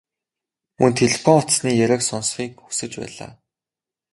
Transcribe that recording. Мөн телефон утасны яриаг сонсохыг хүсэж байлаа.